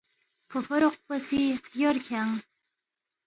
فوفوروق پو سی، خیور کھیانگ